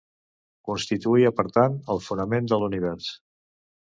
Constituïa, per tant, el fonament de l'univers.